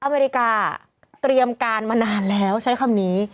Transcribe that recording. อเมริกาเตรียมการมานานแล้วใช้คำนี้